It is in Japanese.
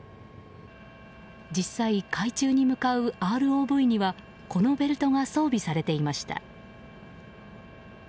実際、海中に向かうＲＯＶにはこのベルトが装備されていました。